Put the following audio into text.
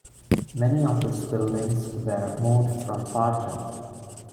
Many of its buildings were moved from Parton.